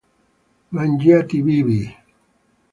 Mangiati vivi!